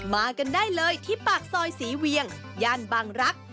มากันได้เลยที่ปากซอยศรีเวียงย่านบางรัก